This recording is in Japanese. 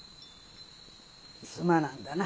すまなんだな。